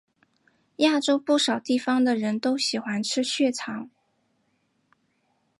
亚洲不少地方的人都喜欢吃血肠。